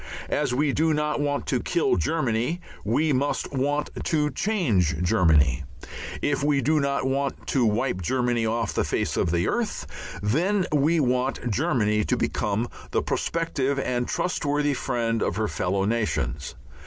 As we do not want to kill Germany we must want to change Germany. If we do not want to wipe Germany off the face of the earth, then we want Germany to become the prospective and trust worthy friend of her fellow nations.